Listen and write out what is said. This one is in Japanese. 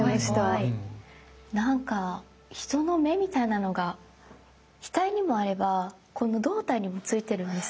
なんか人の目みたいなのが額にもあればこの胴体にもついてるんですよ。